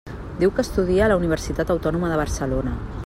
Diu que estudia a la Universitat Autònoma de Barcelona.